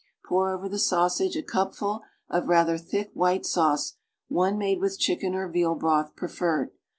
Pour over the sausage a cupful of rather thick white sauce one made with chicken or veal broth preferred.